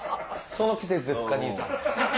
その季節ですかにいさん。